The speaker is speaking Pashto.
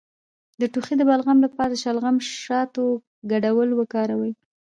د ټوخي د بلغم لپاره د شلغم او شاتو ګډول وکاروئ